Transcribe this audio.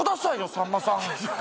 さんまさん